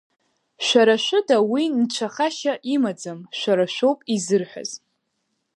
Шәара шәыда, уи нцәахашьа имаӡам, шәара шәоуп изырҳәаз…